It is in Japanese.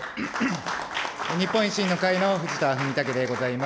日本維新の会の藤田文武でございます。